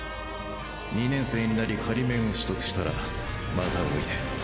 ２年生になり仮免を取得したらまたおいで。